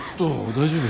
大丈夫？